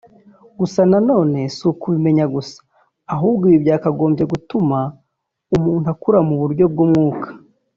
gusa na none si ukubimenya gusa ahubwo ibi byakagombye no gutuma umuntu akura mu buryo bw’umwuka